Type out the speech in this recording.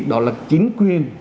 đó là chính quyền